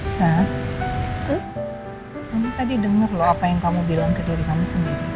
sa mama tadi denger loh apa yang kamu bilang ke diri kamu sendiri